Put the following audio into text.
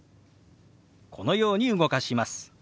このように動かします。